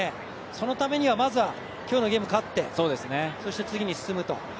そのためにはまずは今日のゲーム勝ってそして、次に進むと。